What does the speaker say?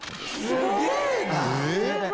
すげえな！